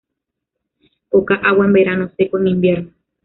Poca agua en verano, seco en invierno.